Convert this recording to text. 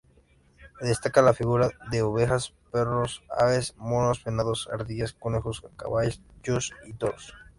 Destaca la figuración de ovejas, perros, aves, monos, venados, ardillas, conejos, caballos y toros.